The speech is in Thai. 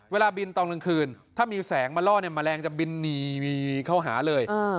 เวลาบินตอนกลางคืนถ้ามีแสงมาล่อเนี่ยแมลงจะบินหนีเข้าหาเลย